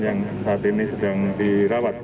yang saat ini sedang berada di jawa timur